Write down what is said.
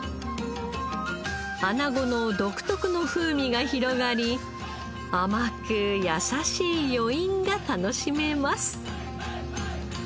アナゴの独特の風味が広がり甘く優しい余韻が楽しめます。